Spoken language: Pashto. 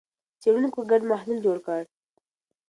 څېړونکو ګډ محلول جوړ کړ.